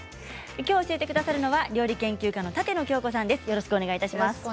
きょう教えてくださるのは料理研究家の舘野鏡子さんです。